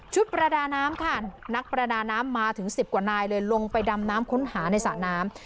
ประดาน้ำค่ะนักประดาน้ำมาถึง๑๐กว่านายเลยลงไปดำน้ำค้นหาในสระน้ำ